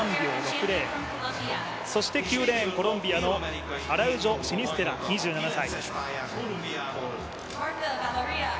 １３秒６０、９レーン、コロンビアのアラウジョシニステラ、２７歳。